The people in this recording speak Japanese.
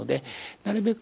なるべく